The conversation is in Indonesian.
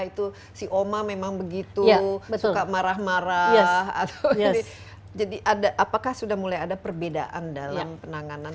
itu si oma memang begitu suka marah marah atau jadi ada apakah sudah mulai ada perbedaan dalam penanganan